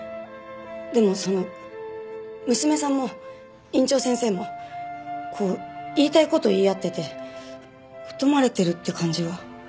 でもその娘さんも院長先生もこう言いたい事言い合ってて疎まれてるって感じは。